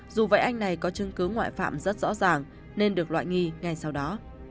dù vậy anh này có chứng cứ ngoại phạm rất rõ ràng nên được loại nghi ngay sau đó